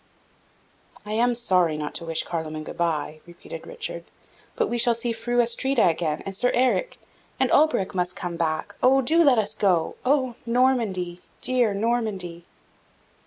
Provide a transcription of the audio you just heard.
"I am sorry not to wish Carloman good bye," repeated Richard; "but we shall see Fru Astrida again, and Sir Eric; and Alberic must come back! Oh, do let us go! O Normandy, dear Normandy!"